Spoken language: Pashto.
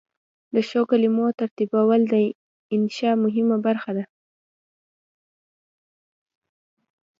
د ښو کلمو ترتیبول د انشأ مهمه برخه ده.